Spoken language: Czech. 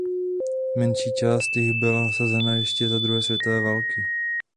Menší část jich byla nasazena ještě za druhé světové války.